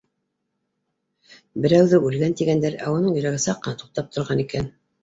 Берәүҙе үлгән, тигәндәр, ә уның йөрәге саҡ ҡына туҡтап торған икән.